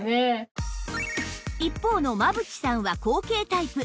一方の真渕さんは後傾タイプ